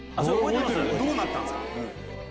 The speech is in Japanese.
どうなったんですか？